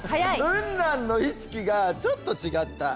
雲南の意識がちょっと違った。